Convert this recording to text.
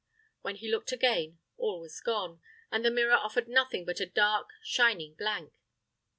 When he looked again, all was gone, and the mirror offered nothing but a dark shining blank.